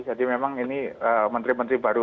jadi memang ini menteri menteri baru